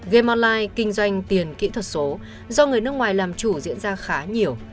game online kinh doanh tiền kỹ thuật số do người nước ngoài làm chủ diễn ra khá nhiều